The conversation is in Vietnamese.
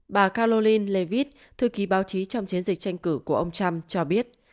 bà caroline leavitt thư ký báo chí trong chiến dịch tranh cử của ông trump cho biết